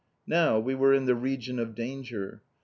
Now we were in the region of danger.